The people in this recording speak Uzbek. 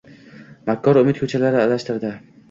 Makkor umid ko‘chalari adashtirdi